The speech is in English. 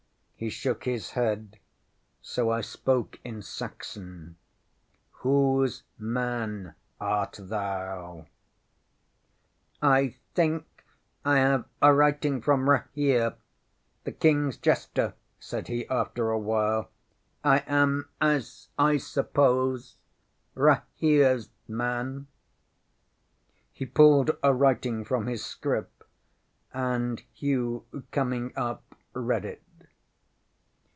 ŌĆØ He shook his head, so I spoke in Saxon: ŌĆ£Whose man art thou? ŌĆØ ŌĆśŌĆ£I think I have a writing from Rahere, the KingŌĆÖs jester, ŌĆØ said he after a while. ŌĆ£I am, as I suppose, RahereŌĆÖs man. ŌĆØ ŌĆśHe pulled a writing from his scrip, and Hugh, coming up, read it.